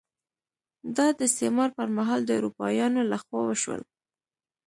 دا د استعمار پر مهال د اروپایانو لخوا وشول.